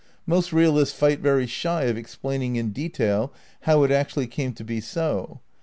Most realists fight very shy of explaining in detail how it actually came to be so.